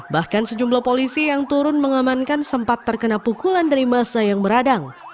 bahkan sejumlah polisi yang turun mengamankan sempat terkena pukulan dari masa yang meradang